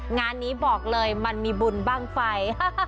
งานนี้บอกเลยมันมีบุญบ้างไฟ